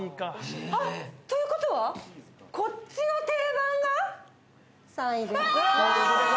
ということは、こっちの定番３位です。